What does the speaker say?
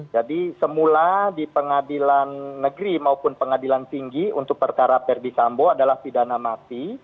jadi semula di pengadilan negeri maupun pengadilan tinggi untuk perkara perdisambo adalah pidana mati